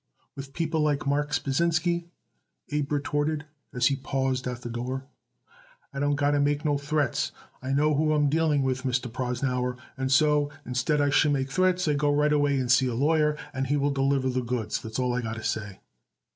"With people like Marks Pasinsky," Abe retorted as he paused at the door, "I don't got to make no threats. I know who I am dealing with, Mr. Prosnauer, and so, instead I should make threats I go right away and see a lawyer, and he will deliver the goods. That's all I got to say."